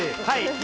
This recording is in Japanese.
はい。